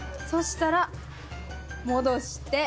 そしたら戻して。